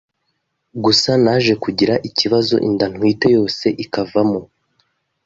Gusa naje kugira ikibazo inda ntwite yose ikavamo,